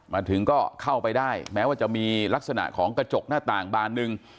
มาถึงก็เข้าไปได้แม้ว่าจะมีลักษณะของกระจกหน้าต่างบานหนึ่ง